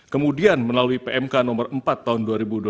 kemudian melalui pmk nomor empat tahun dua ribu dua puluh